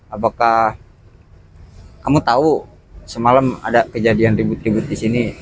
apakah kamu tahu semalam ada kejadian ribut ribut di sini